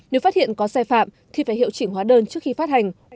nếu phát hiện có sai phạm thì phải hiệu chỉnh hóa đơn trước khi phát hành